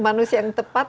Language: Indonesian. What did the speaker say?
manusia yang tepat